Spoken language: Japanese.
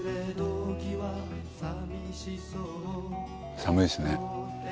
・・寒いっすね。